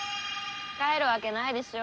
帰るわけないでしょ。